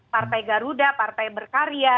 partai garuda partai berkarya